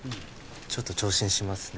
ちょっと聴診しますね